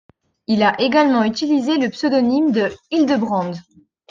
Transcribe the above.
Il a également utilisé le pseudonyme de Hildebrand.